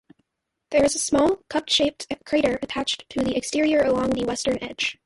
There is a small, cup-shaped crater attached to the exterior along the western edge.